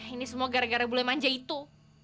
ini semua gara gara bule manja itu